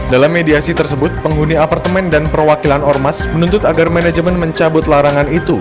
dalam mediasi tersebut penghuni apartemen dan perwakilan ormas menuntut agar manajemen mencabut larangan itu